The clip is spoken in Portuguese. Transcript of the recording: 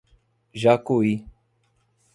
Jacuí